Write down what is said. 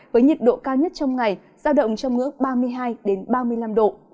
với nhiệt độ cao nhất trong ngày do động trong ngưỡng ba mươi hai đến ba mươi năm độ